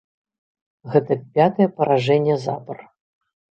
Гэта пятае паражэнне запар.